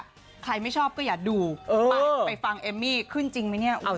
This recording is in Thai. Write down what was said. ใครแปลงไม่ชอบก็อย่าดูไปฟังเอมมีขึ้นจริงป่าว